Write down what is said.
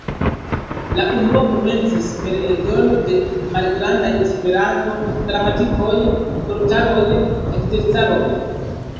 La unua komencis per eldono de malgrandaj Esperanto-gramatikoj, vortaroj, ekzercaroj.